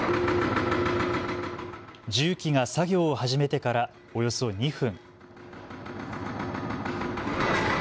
重機が作業を始めてからおよそ２分。